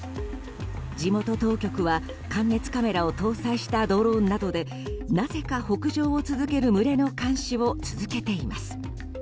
地元当局は感熱カメラを搭載したドローンなどで北上を続ける群れの監視を続けています。